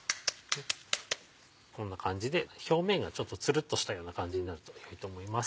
こんな感じで表面がちょっとツルっとしたような感じになると良いと思います。